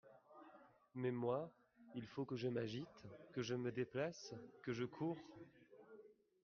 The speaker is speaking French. Mais moi, il faut que je m'agite, que je me déplace, que je coure …